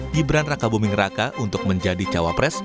gibran raka buming raka untuk menjadi cawapres